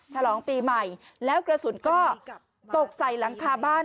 ฉลองปีใหม่แล้วกระสุนก็ตกใส่หลังคาบ้าน